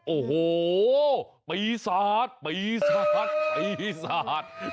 โอ้โหปีศาจปีศาจ